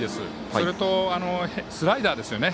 それとスライダーですよね。